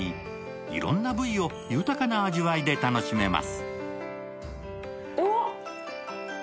いろんな部位を豊かな味わいで楽しめます。